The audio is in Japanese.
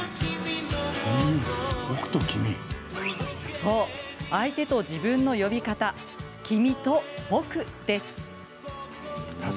そう、相手と自分の呼び方「君」と「僕」です。